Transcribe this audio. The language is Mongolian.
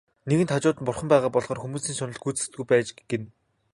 Нэгэнт хажууд нь Бурхан байгаа болохоор хүмүүсийн шунал гүйцэгддэггүй байж гэнэ.